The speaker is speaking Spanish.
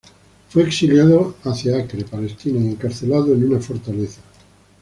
Fue exiliado hacia Acre, Palestina y encarcelado en una fortaleza.